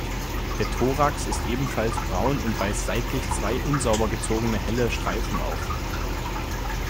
Der Thorax ist ebenfalls braun und weist seitlich zwei unsauber gezogene helle Streifen auf.